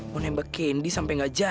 mau nembak candy sampe gak jadi deh